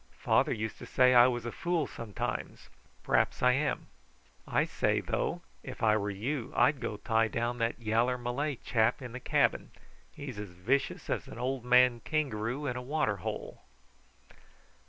"Father used to say I was a fool sometimes. P'r'aps I am. I say, though, if I were you I'd go and tie down that yaller Malay chap in the cabin. He's as vicious as an old man kangaroo in a water hole."